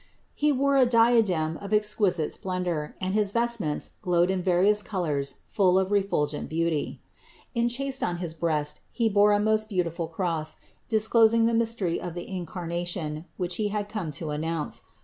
He wore a diadem of exqui THE INCARNATION 95 site splendor and his vestments glowed in various colors full of refulgent beauty. Enchased on his breast, he bore a most beautiful cross, disclosing the mystery of the Incarnation, which He had come to announce.